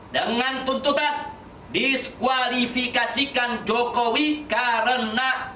dengan tuntutan diskualifikasikan jokowi karena